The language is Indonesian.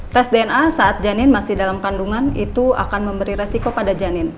tes dna saat janin masih dalam kandungan itu akan memberi resiko pada janin